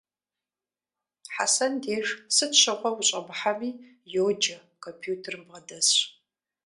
Хьэсэн деж сыт щыгъуэ ущӀэмыхьэми, йоджэ, компьютерым бгъэдэсщ.